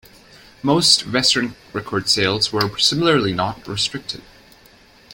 Most Western record sales were similarly not restricted.